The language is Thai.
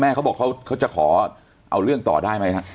เขาบอกเขาจะขอเอาเรื่องต่อได้ไหมฮะ